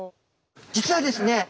実はですね